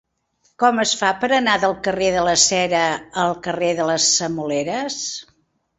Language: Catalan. Com es fa per anar del carrer de la Cera al carrer de les Semoleres?